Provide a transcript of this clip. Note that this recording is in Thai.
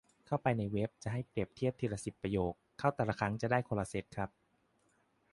เข้าไปในเว็บจะให้เปรียบเทียบทีละสิบประโยค เข้าแต่ละครั้งจะได้คนละเซ็ตครับ